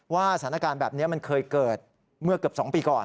สถานการณ์แบบนี้มันเคยเกิดเมื่อเกือบ๒ปีก่อน